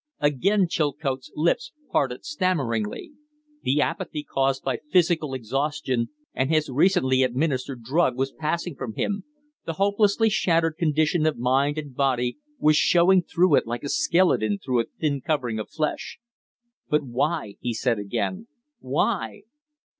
Again Chilcote's lips parted stammeringly. The apathy caused by physical exhaustion and his recently administered drug was passing from him; the hopelessly shattered condition of mind and body was showing through it like a skeleton through a thin covering of flesh. "But why?" he said again. "Why?"